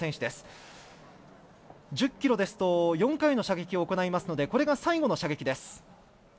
１０ｋｍですと４回の射撃を行いますのでこれが最後の射撃です。